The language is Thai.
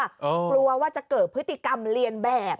กลัวว่าจะเกิดพฤติกรรมเรียนแบบ